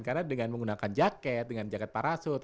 karena dengan menggunakan jaket dengan jaket parasut